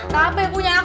tapi punya aku